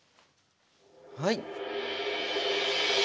はい。